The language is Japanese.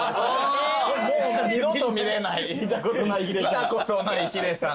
見たことないヒデさん。